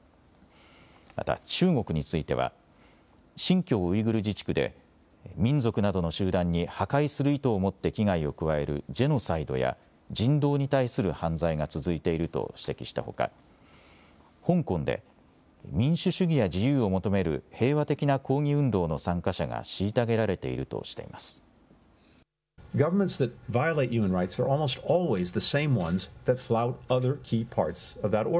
また中国については新疆ウイグル自治区で民族などの集団に破壊する意図を持って危害を加えるジェノサイドや人道に対する犯罪が続いていると指摘したほか香港で民主主義や自由を求める平和的な抗議運動の参加者が虐げられているとしています。